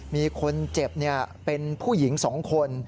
มีคนเจ็บเป็นผู้หญิง๒คน